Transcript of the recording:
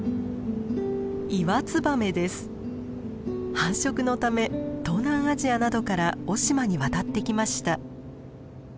繁殖のため東南アジアなどから雄島に渡ってきました。